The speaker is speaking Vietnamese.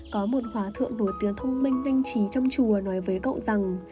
có một hòa thượng nổi tiếng thông minh nhanh chí trong chùa nói với cậu rằng